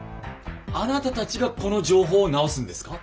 あなたたちがこの情報を直すんですか？